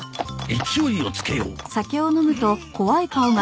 勢いを付けようう！